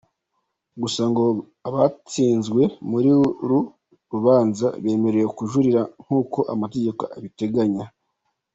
Gusa ngo abatsinzwe muri uru rubanza bemerewe kujurira nk’uko amategeko abiteganya.